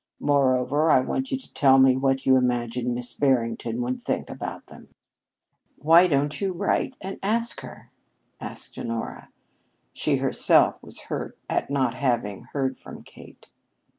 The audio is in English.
Moreover, I want you to tell me what you imagine Miss Barrington would think about them." "Why don't you write and ask her?" asked Honora. She herself was hurt at not having heard from Kate.